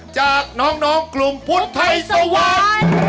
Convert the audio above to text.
จากน้องกลุ่มพุทธไทยสวรรค์